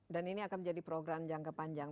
dan ini akan menjadi program jangka panjang